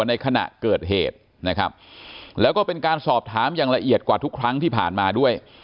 ในขณะเกิดเหตุนะครับแล้วก็เป็นการสอบถามอย่างละเอียดกว่าทุกครั้งที่ผ่านมาด้วย